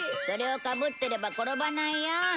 それをかぶってれば転ばないよ。